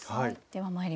はい。